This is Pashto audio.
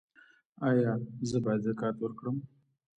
ایا زه باید زکات ورکړم؟